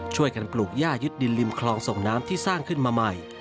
ช่วยกันปลูกย่ายึดดินริมคลองส่งน้ำที่สร้างขึ้นมาใหม่